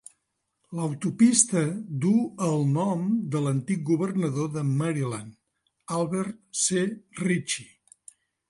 L'autopista duu el nom de l'antic governador de Maryland, Albert C. Ritchie.